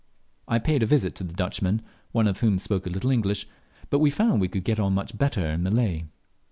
I paid a visit to the Dutchmen, one of whom spoke a little English, but we found that we could get on much better with Malay.